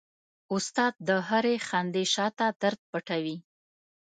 استاد د هرې خندې شاته درد پټوي.